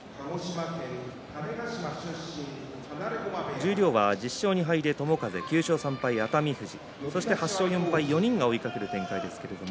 十両は１０勝２敗で友風９勝３敗で熱海富士８勝４敗で４人が追いかける展開でした。